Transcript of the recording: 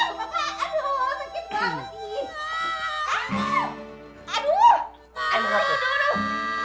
aku tak sabar dengan satu kode